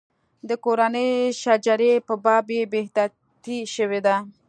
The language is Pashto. د کورنۍ شجرې په باب بې احتیاطي شوې ده.